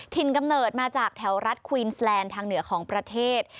กำเนิดมาจากแถวรัฐควีนสแลนด์ทางเหนือของประเทศ